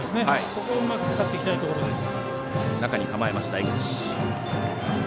そこをうまく使っていきたいところです。